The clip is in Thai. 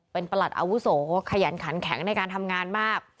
เป็นประหลัดอาวุโสขยันขันแข็งในการทำงานมาก